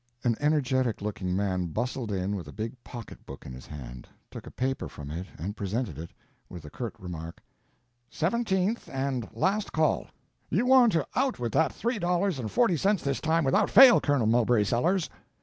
An energetic looking man bustled in with a big pocket book in his hand, took a paper from it and presented it, with the curt remark: "Seventeenth and last call—you want to out with that three dollars and forty cents this time without fail, Colonel Mulberry Sellers."